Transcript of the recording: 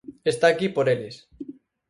Está aquí por eles.